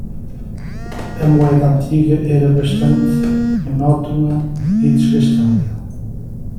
A moeda antiga era bastante monótona e desgastada.